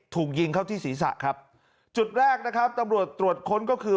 ถูกยิงเข้าที่ศีรษะครับจุดแรกนะครับตำรวจตรวจค้นก็คือ